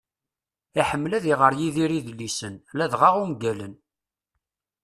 Iḥemmel ad iɣer Yidir idlisen, ladɣa ungalen.